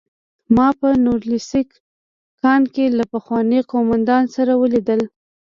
ما په نوریلیسک کان کې له پخواني قومندان سره ولیدل